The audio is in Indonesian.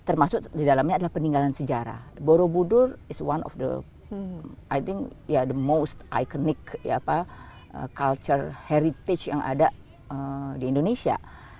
dan termasuk di dalamnya adalah peninggalan sejarah borobudur is one of the most iconic culture heritage yang ada di indonesia